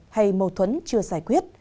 hay mâu thuẫn chưa giải quyết